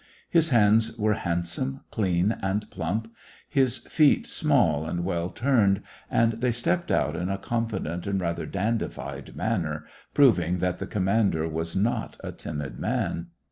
His hands were handsome, clean, and plump ; his feet small and well turned, and they stepped out in a confident and rather dandified manner, prov ing that the commander was not a timid man.